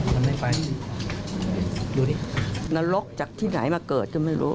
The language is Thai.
ทำไมไปดูดินรกจากที่ไหนมาเกิดก็ไม่รู้